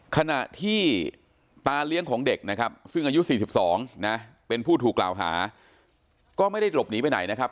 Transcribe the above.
ขณะที่ตาเลี้ยงของเด็กนะครับซึ่งอายุ๔๒นะเป็นผู้ถูกกล่าวหาก็ไม่ได้หลบหนีไปไหนนะครับ